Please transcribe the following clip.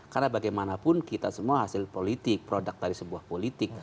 karena bagaimanapun kita semua hasil politik produk dari sebuah politik